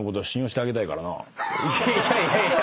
いやいやいやいや！